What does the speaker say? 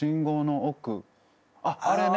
あっあれね。